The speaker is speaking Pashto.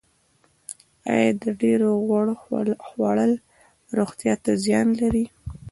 ایا د ډیر غوړ خوړل روغتیا ته زیان لري